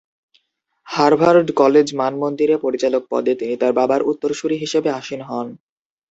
Harvard college মানমন্দিরের পরিচালক পদে তিনি তাঁর বাবার উত্তরসূরি হিসেবে আসীন হন।